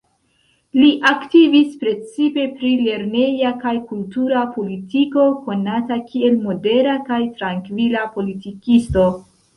Li aktivis precipe pri lerneja kaj kultura politiko, konata kiel modera kaj trankvila politikisto.